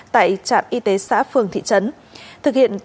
tại trạm y tế xã phường thị trấn